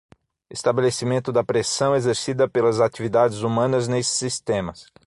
Estabelecimento da pressão exercida pelas atividades humanas nesses sistemas.